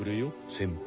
先輩。